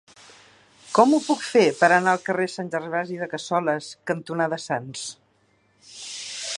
Com ho puc fer per anar al carrer Sant Gervasi de Cassoles cantonada Sants?